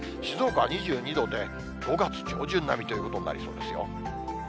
静岡は２２度で、５月上旬並みということになりそうですよ。